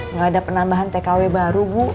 nggak ada penambahan tkw baru bu